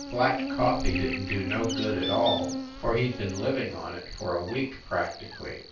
Black coffee didn t do no good at all, for he d been living on it for a week, practically.